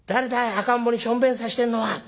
赤ん坊にしょんべんさせてんのは」。